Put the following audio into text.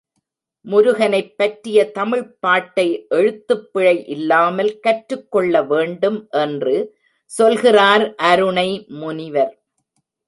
முருகனைப் பற்றிய தமிழ்ப் பாட்டை எழுத்துப் பிழை இல்லாமல் கற்றுக் கொள்ள வேண்டும் என்று சொல்கிறார் அருணை முனிவர்.